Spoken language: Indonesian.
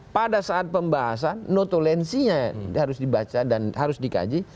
pada saat pembahasan notolensinya harus dibaca dan harus dikaji